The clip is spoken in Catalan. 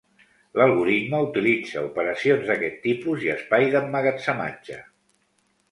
L'algoritme utilitza operacions d'aquests tipus, i espai d'emmagatzematge.